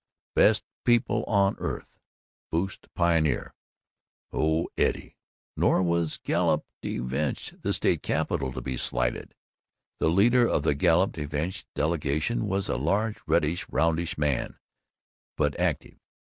Best People on Earth Boost Pioneer, Oh Eddie." Nor was Galop de Vache, the state capital, to be slighted. The leader of the Galop de Vache delegation was a large, reddish, roundish man, but active.